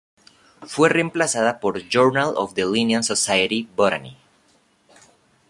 Fue reemplazada por "Journal of the Linnean Society, Botany".